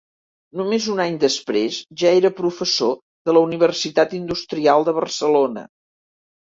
Només un any després ja era professor de la Universitat Industrial de Barcelona.